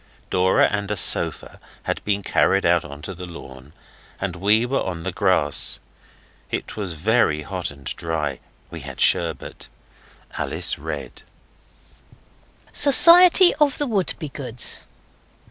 Dora and a sofa had been carried out on to the lawn, and we were on the grass. It was very hot and dry. We had sherbet. Alice read: '"Society of the Wouldbegoods.